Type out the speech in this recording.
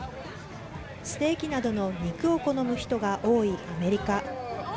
ステーキなどの肉を好む人が多いアメリカ。